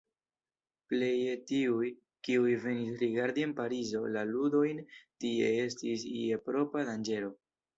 Pleje tiuj, kiuj venis rigardi en Parizo la ludojn, tie estis je propra danĝero.